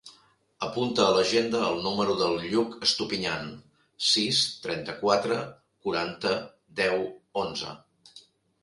Apunta a l'agenda el número del Lluc Estupiñan: sis, trenta-quatre, quaranta, deu, onze.